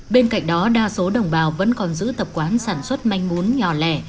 bên cạnh đó đa số đồng bào vẫn còn giữ tập quán sản xuất manh mún nhỏ lẻ